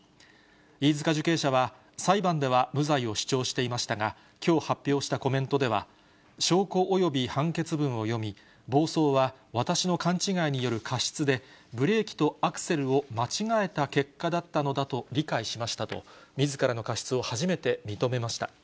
飯塚受刑者は裁判では無罪を主張していましたが、きょう発表したコメントでは、証拠および判決文を読み、暴走は私の勘違いによる過失で、ブレーキとアクセルを間違えた結果だったのだと理解しましたと、みずからの過失を初めて認めました。